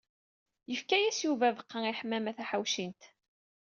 Yefka-yas Yuba abeqqa i Ḥemmama Taḥawcint.